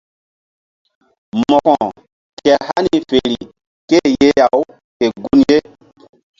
Mo̧ko kehr hani fer ké-e yeh-aw ke gun ye.